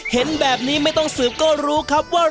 เห็นแบบนี้ไม่ต้องสืบก็รู้ครับว่า